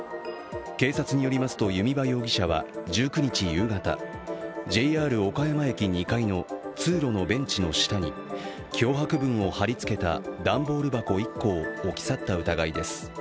警察によりますと、弓場容疑者は１９日夕方ＪＲ岡山駅２階の通路のベンチの下に脅迫文を貼り付けた段ボール箱１個を置き去った疑いです。